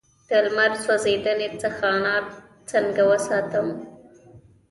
د لمر سوځیدنې څخه انار څنګه وساتم؟